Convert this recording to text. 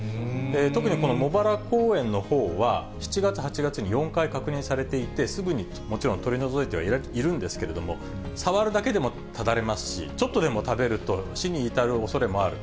特に、この茂原公園のほうは、７月、８月に４回確認されていて、すぐに、もちろん取り除いてはいるんですけれども、触るだけでもただれますし、ちょっとでも食べると、死に至るおそれもある。